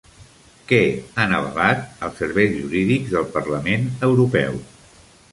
Què han avalat els serveis jurídics del Parlament Europeu?